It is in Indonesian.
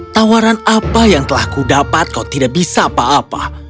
tawaran apa yang telah kudapat kau tidak bisa apa apa